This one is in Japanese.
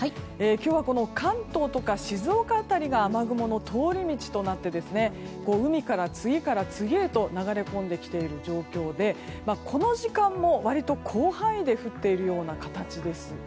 今日は関東とか静岡辺りが雨雲の通り道となって海から次から次へと流れ込んできている状況でこの時間も割と広範囲で降っている形です。